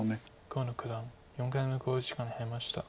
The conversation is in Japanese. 河野九段４回目の考慮時間に入りました。